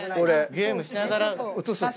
ゲームしながら映す。